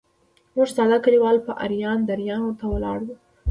موږ ساده کلیوال به اریان دریان ورته ولاړ وو.